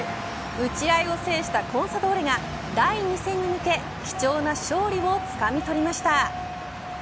打ち合いを制したコンサドーレが第２戦に向け貴重な勝利をつかみ取りました。